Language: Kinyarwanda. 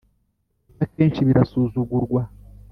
ndetse akenshi birasuzugurwa